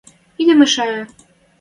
Идӓ мешӓйӹ!